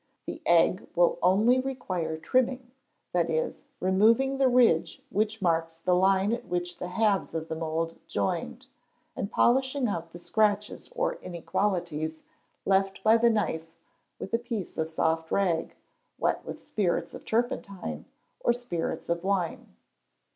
The egg will only require trimming, that is, removing the ridge which marks the line at which the halves of the mould joined, and polishing out the scratches or inequalities left by the knife with a piece of soft rag, wet with spirits of turpentine or spirits of wine.